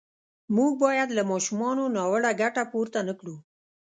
موږ باید له ماشومانو ناوړه ګټه پورته نه کړو.